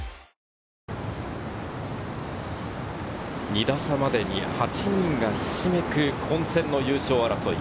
２打差までに８人がひしめく混戦の優勝争い。